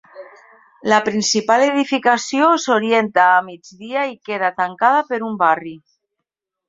La principal edificació s'orienta a migdia i queda tancada per un barri.